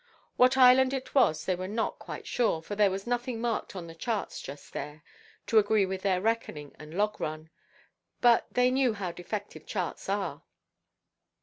What island it was they were not quite sure, for there was nothing marked on the charts just there, to agree with their reckoning and log–run. But they knew how defective charts are.